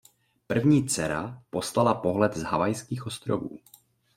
První dcera poslala pohled z Havajských ostrovů.